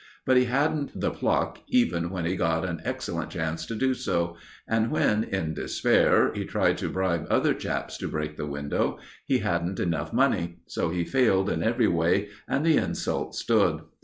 But he hadn't the pluck, even when he got an excellent chance to do so; and when, in despair, he tried to bribe other chaps to break the window, he hadn't enough money, so he failed in every way, and the insult stood.